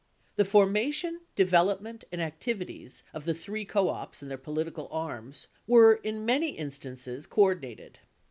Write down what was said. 3 The formation, development, and activities of the three co ops and their political arms Avere, in many instances, coordinated.